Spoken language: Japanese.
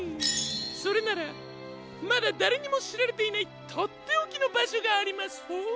それならまだだれにもしられていないとっておきのばしょがありますホォー。